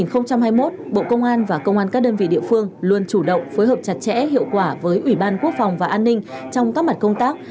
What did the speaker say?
năm hai nghìn hai mươi một bộ công an và công an các đơn vị địa phương luôn chủ động phối hợp chặt chẽ hiệu quả với ủy ban quốc phòng và an ninh trong các mặt công tác